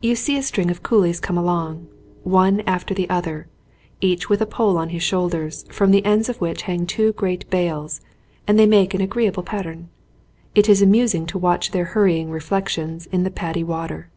You see a string of coolies come along, one after the other, each with a pole on his shoulders from the ends of which hang two great bales, and they make an agreeable pattern. It is amusing to watch their hurrying reflections in the padi water.